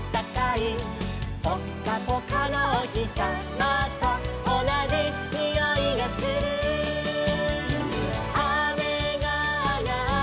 「ぽっかぽかのおひさまとおなじにおいがする」「あめがあがったよ」